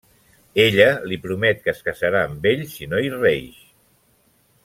Ella li promet que es casarà amb ell si no hi reïx.